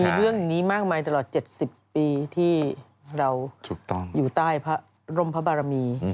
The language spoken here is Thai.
มีเรื่องนี้มากมายตลอด๗๐ปีที่เราอยู่ใต้พระร่มพระบารมี